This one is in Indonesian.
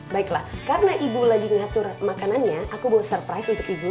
baiklah karena ibu sedang mengatur makanannya aku mau surprise untuk ibu